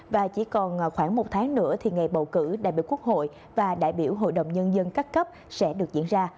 và chỉ còn khoảng một tháng nữa thì ngày bầu cử đại biểu quốc hội và đại biểu hội đồng nhân dân các cấp sẽ được diễn ra